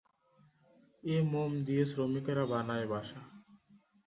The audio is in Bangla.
এ মোম দিয়ে শ্রমিকেরা বানায় বাসা।